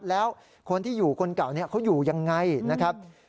แล้วคนที่อยู่คนเก่านี้เขาอยู่ยังไงนะครับ